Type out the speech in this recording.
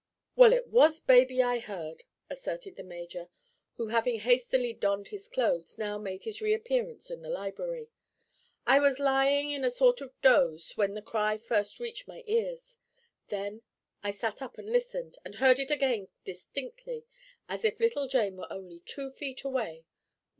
"Well, it was baby I heard," asserted the major, who, having hastily donned his clothes, now made his reappearance in the library. "I was lying in a sort of dose when the cry first reached my ears. Then I sat up and listened, and heard it again distinctly, as if little Jane were only two feet away.